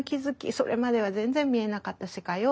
それまでは全然見えなかった世界を。